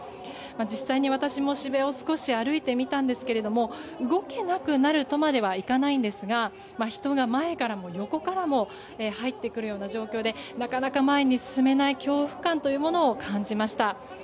実際に、私も渋谷を少し歩いてみたんですけれども動けなくなるとまではいかないんですが人が、前からも横からも入ってくるような状況でなかなか前に進めない恐怖感を感じました。